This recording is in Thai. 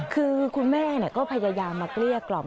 คือคุณแม่ก็พยายามมาเกลี้ยกล่อม